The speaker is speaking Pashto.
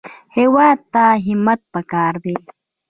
هېواد ته همت پکار دی